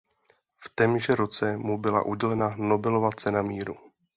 V témže roce mu byla udělena Nobelova cena míru.